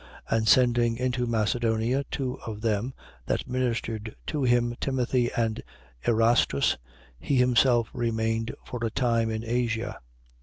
19:22. And sending into Macedonia two of them that ministered to him, Timothy and Erastus, he himself remained for a time in Asia.